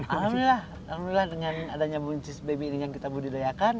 alhamdulillah alhamdulillah dengan adanya buncis baby ini yang kita budidayakan